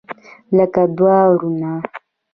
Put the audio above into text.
لکه دوه ورونه.